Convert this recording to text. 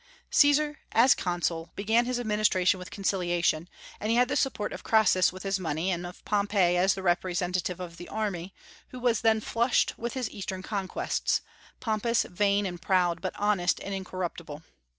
Caesar, as Consul, began his administration with conciliation; and he had the support of Crassus with his money, and of Pompey as the representative of the army, who was then flushed with his Eastern conquests, pompous, vain, and proud, but honest and incorruptible.